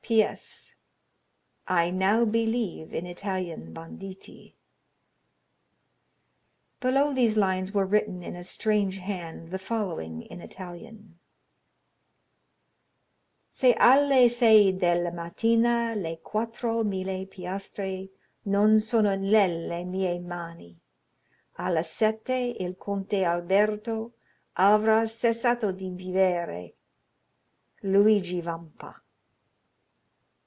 "P.S.—I now believe in Italian banditti." Below these lines were written, in a strange hand, the following in Italian: "_Se alle sei della mattina le quattro mille piastre non sono nelle mie mani, alla sette il Conte Alberto avrà cessato di vivere_. "Luigi Vampa."